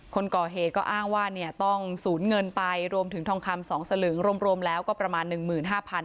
คนก่อเหตุก็อ้างว่าต้องสูญเงินไปรวมถึงทองคำ๒สลึงรวมแล้วก็ประมาณ๑๕๐๐บาท